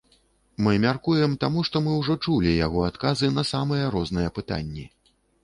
Мы мяркуем, таму што мы ўжо чулі яго адказы на самыя розныя пытанні.